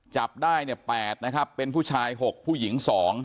จับได้เนี่ย๘นะครับเป็นผู้ชาย๖ผู้หญิง๒